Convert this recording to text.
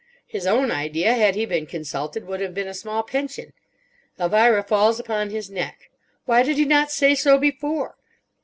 His own idea, had he been consulted, would have been a small pension. Elvira falls upon his neck. Why did he not say so before?